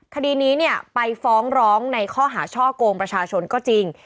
คดีนี้เนี่ยไปฟ้องร้องในข้อหาช่อกงประชาชนก็จริง